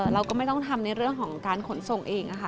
เราก็ไม่ต้องทำในเรื่องของการขนส่งเองนะคะ